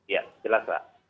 ya jelas pak